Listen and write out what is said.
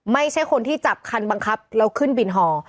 ไม่ใช่คนที่จับคันบังคับแล้วขึ้นบินฮอ